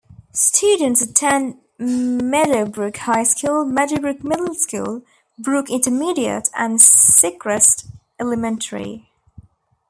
Students attend Meadowbrook High School, Meadowbrook Middle School, Brook Intermediate and Secrest Elementary.